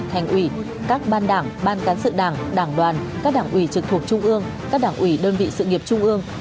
thành ủy các ban đảng ban cán sự đảng đảng đoàn các đảng ủy trực thuộc trung ương các đảng ủy đơn vị sự nghiệp trung ương